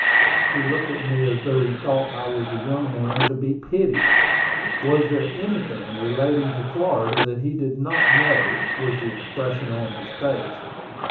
He looked at me as though he thought I was a young man to be pitied. Was there anything relating to Florida that he did not know, was the expression on his face.